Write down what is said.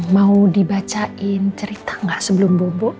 mau dibacain cerita gak sebelum bobo